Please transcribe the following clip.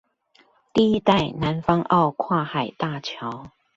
第一代南方澳跨海大橋